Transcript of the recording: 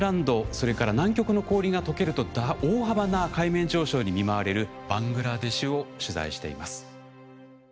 それから南極の氷がとけると大幅な海面上昇に見舞われるバングラデシュを取材しています。